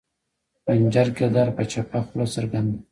خنجر کردار پۀ چپه خله څرګند دے